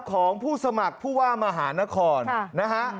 ของผู้สมัครผู้ว่ามหานครนะฮะ